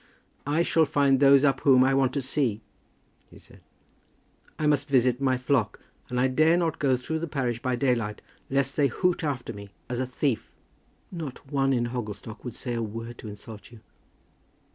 "I shall find those up whom I want to see," he said. "I must visit my flock, and I dare not go through the parish by daylight lest they hoot after me as a thief." "Not one in Hogglestock would say a word to insult you."